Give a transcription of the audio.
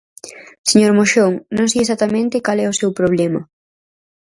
Señor Moxón, non sei exactamente cal é o seu problema.